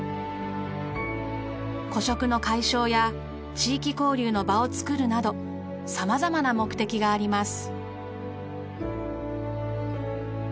孤食の解消や地域交流の場を作るなど様々な目的があります。